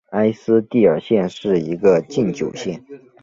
埃斯蒂尔县是一个禁酒县。